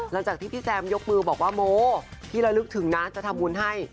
หลังจากที่พี่แซมยกมือบอกว่าโมพี่ระลึกถึงนะจะทำบุญให้